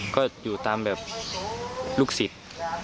ก็อยู่ตามแบบลูกศิษย์